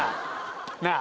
なあ！